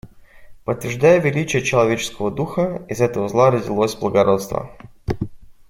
Подтверждая величие человеческого духа, из этого зла родилось благородство.